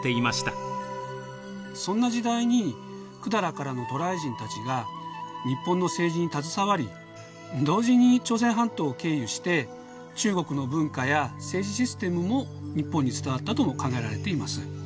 そんな時代に百済からの渡来人たちが日本の政治に携わり同時に朝鮮半島を経由して中国の文化や政治システムも日本に伝わったとも考えられています。